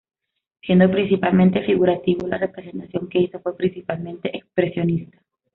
Siendo principalmente figurativo, la representación que hizo fue principalmente expresionista.